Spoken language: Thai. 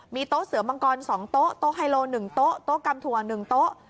มีโต๊ะเสือมังกร๒โต๊ะโต๊ะไฮโล๑โต๊ะโต๊ะกำถั่ว๑โต๊ะ